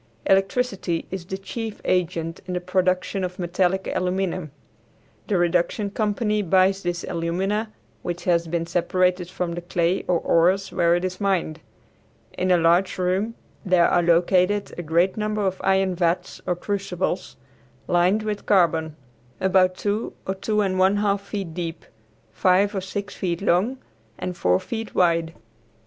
Electricity is the chief agent in the production of metallic aluminum. The reduction company buys this alumina, which has been separated from the clay or ores where it is mined. In a large room there are located a great number of iron vats or crucibles, lined with carbon, about two or two and one half feet deep, five or six feet long and four feet wide.